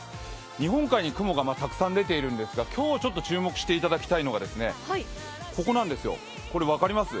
日本海に雲がたくさん出ているんですが今日注目していただきたいのはここ、分かります？